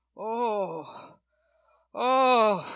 "Oh! oh!"